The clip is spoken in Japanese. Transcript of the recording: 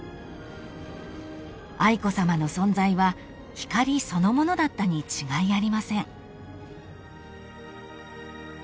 ［愛子さまの存在は光そのものだったに違いありません］